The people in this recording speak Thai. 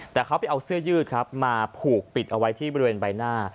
แต่เขาไปเอาเสื้อยืดครับมาผูกปิดเอาไว้ที่บริเวณใบหน้า